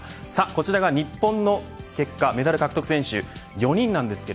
こちらが日本の結果メダル獲得選手、４人です。